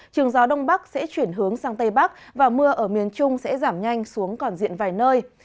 trường gió đông bắc sẽ chuyển hướng sang tây bắc và mưa ở miền trung sẽ giảm nhanh xuống còn diện vài nơi